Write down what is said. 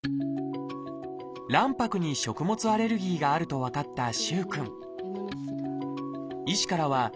卵白に食物アレルギーがあると分かった萩くん。